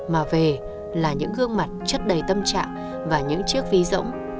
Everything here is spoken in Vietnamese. mà về là những gương mặt chất đầy tâm trạng và những chiếc ví rỗng